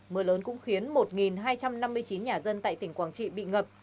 mưa lớn cũng khiến một hai trăm năm mươi chín nhà dân tại tỉnh quảng trị bị ngập